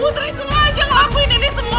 putri sengaja ngelakuin ini semua